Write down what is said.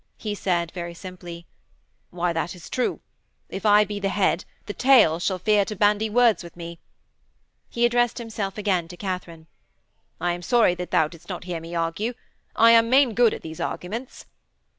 He said very simply: 'Why, that is true. If I be the Head, the Tail shall fear to bandy words with me.' He addressed himself again to Katharine: 'I am sorry that you did not hear me argue. I am main good at these arguments.'